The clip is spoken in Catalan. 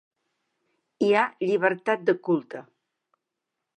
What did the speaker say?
Hi ha llibertat de culte.